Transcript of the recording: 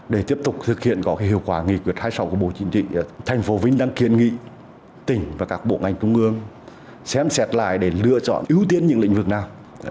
để tiếp tục thực hiện có hiệu quả nghị quyết hai mươi sáu của bộ chính trị thành phố vinh đang kiên nghị tỉnh và các bộ ngành trung ương xem xét lại để lựa chọn ưu tiên những lĩnh vực nào